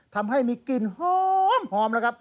ทำให้ปล่อยกลิ่นโห่มหอมแล้วครับ